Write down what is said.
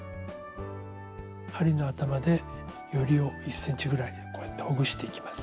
針の頭でよりを１ｃｍぐらいこうやってほぐしていきます。